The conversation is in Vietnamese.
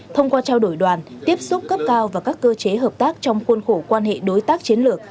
thông qua trao đổi đoàn tiếp xúc cấp cao và các cơ chế hợp tác trong khuôn khổ quan hệ đối tác chiến lược